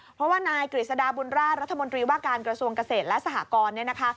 เพราะว่านายกฤษฎาบุญราชรัฐมนตรีว่าการกระทรวงเกษตรและสหกรเนี่ยนะคะ